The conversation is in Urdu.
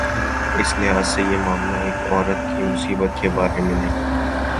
اس لحاظ سے یہ معاملہ ایک عورت کی مصیبت کے بارے میں نہیں۔